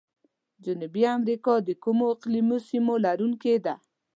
جنوبي امریکا د کومو اقلیمي سیمو لرونکي ده؟